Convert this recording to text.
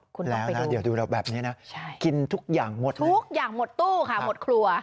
คุณต้องไปดูใช่ทุกอย่างหมดไหมทุกอย่างหมดตู้ค่ะหมดครัว